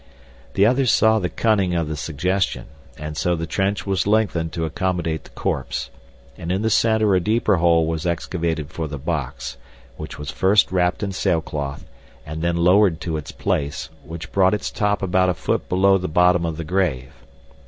The others saw the cunning of the suggestion, and so the trench was lengthened to accommodate the corpse, and in the center a deeper hole was excavated for the box, which was first wrapped in sailcloth and then lowered to its place, which brought its top about a foot below the bottom of the grave.